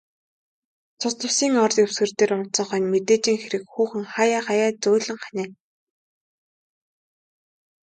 Тус тусын ор дэвсгэр дээр унтсан хойно, мэдээжийн хэрэг хүүхэн хааяа хааяа зөөлөн ханиана.